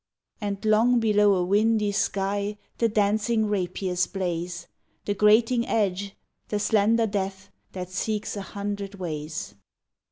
And long below a windy sky The dancing rapiers blaze The grating edge, the slender death That seeks an hundred ways.